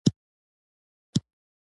خوب د سترګو تیاره له منځه وړي